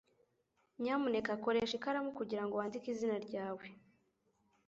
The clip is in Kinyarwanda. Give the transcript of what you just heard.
Nyamuneka koresha ikaramu kugirango wandike izina ryawe.